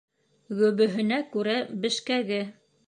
Гөбөһөнә күрә бешкәге.